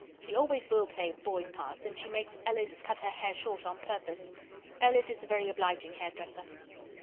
She always will play boys' parts, and she makes Ellis cut her hair short on purpose. Ellis is a very obliging hairdresser.